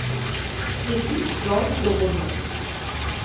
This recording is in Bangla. এটি জল দ্রবণীয়।